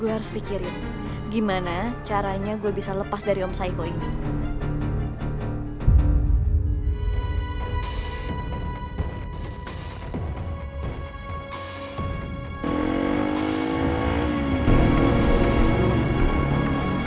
gue harus pikirin gimana caranya gue bisa lepas dari om saiko ini